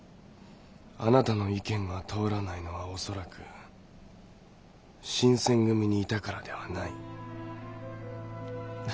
あなたの意見が通らないのはおそらく新選組にいたからではない。